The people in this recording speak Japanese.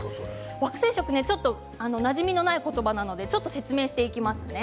惑星食、なじみがない言葉なので説明していきます。